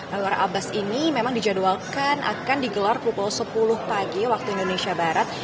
anwar abbas ini memang dijadwalkan akan digelar pukul sepuluh pagi waktu indonesia barat